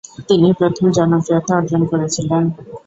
তিনি প্রথম জনপ্রিয়তা অর্জন করেছিলেন।